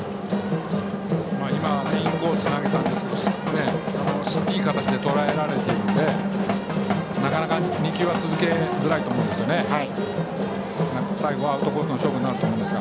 今はインコースに投げたんですけどいい形でとらえられているのでなかなか２球は続けづらいと思います。